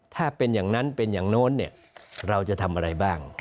ถ้าเป็นอย่างนั้นเป็นอย่างโน้นเนี่ยเราจะทำอะไรบ้าง